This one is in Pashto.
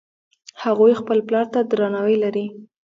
هغوی خپل پلار ته درناوی لري